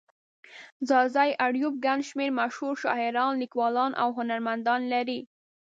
ځاځي اريوب گڼ شمېر مشهور شاعران، ليکوالان او هنرمندان لري.